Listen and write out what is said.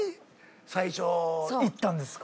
行ったんですか？